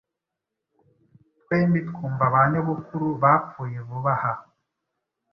twembi twumva ba nyogokuru bapfuye vuba aha. "